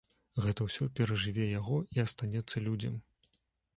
Гэта ўсё перажыве яго і астанецца людзям.